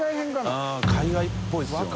うん海外っぽいですよね。